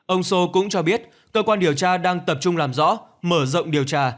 ông sô cũng cho biết cơ quan điều tra đang tập trung làm rõ mở rộng điều tra